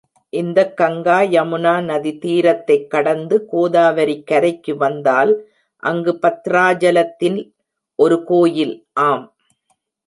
இந்தக் கங்கா யமுனை நதி தீரத்தைக் கடந்து, கோதாவரிக் கரைக்கு வந்தால் அங்கு பத்ராஜலத்தில் ஒரு கோயில், ஆம்!